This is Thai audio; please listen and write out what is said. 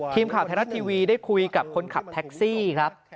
ทีมข่าวไทยรัฐทีวีได้คุยกับคนขับแท็กซี่ครับ